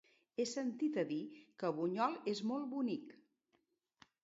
He sentit a dir que Bunyol és molt bonic.